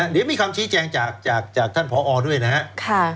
เดี๋ยวมีคำชี้แจงจากท่านพอด้วยนะครับ